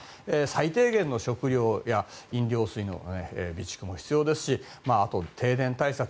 最低限の食料や飲料水の備蓄も必要ですしあと、停電対策。